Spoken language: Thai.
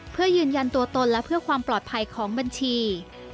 เพื่อยืนยันตัวตนและเพื่อความปลอดภัยของบัญชี